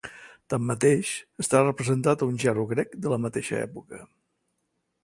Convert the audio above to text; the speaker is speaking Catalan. Tanmateix, està representat a un gerro grec de la mateixa època.